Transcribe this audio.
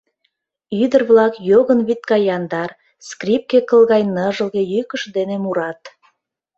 Ӱдыр-влак йогын вӱд гай яндар, скрипке кыл гай ныжылге йӱкышт дене мурат.